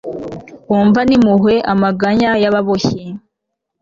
wumvane impuhwe amaganya y'ababoshye